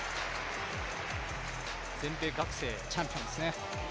全米学生チャンピオンですね。